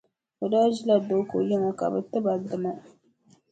O daa ʒila Dooko yiŋa ka bɛ ti ba dimma.